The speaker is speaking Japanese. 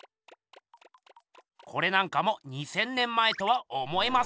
これなんかも２，０００年前とは思えません。